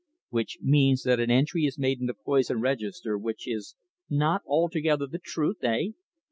"Which means that an entry is made in the poison register which is not altogether the truth eh?"